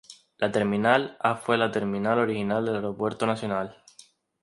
La Terminal A fue la terminal original del Aeropuerto Nacional.